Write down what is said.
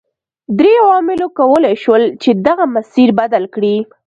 درې عواملو کولای شول چې دغه مسیر بدل کړي.